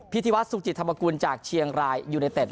พิธีวัฒนสุขจิตธรรมกุลจากเชียงรายยูเนเต็ด